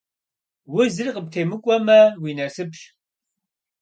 Узыр къыптемыкӀуэмэ, уи насыпщ.